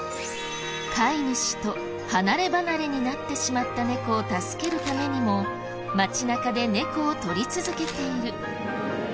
飼い主と離ればなれになってしまった猫を助けるためにも街中で猫を撮り続けている。